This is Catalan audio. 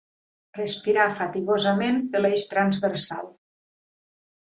Respirar fatigosament per l'Eix Transversal.